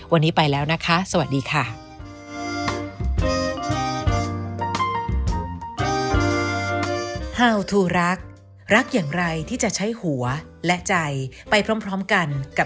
วันนี้ไปแล้วนะคะสวัสดีค่ะ